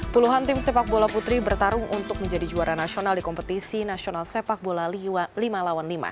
puluhan tim sepak bola putri bertarung untuk menjadi juara nasional di kompetisi nasional sepak bola lima lawan lima